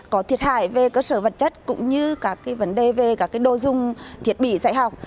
có thiệt hại về cơ sở vật chất cũng như các vấn đề về các đồ dùng thiết bị dạy học